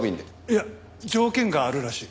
いや条件があるらしい。